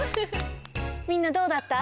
みんなどうだった？